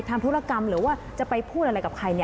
ธุรกรรมหรือว่าจะไปพูดอะไรกับใคร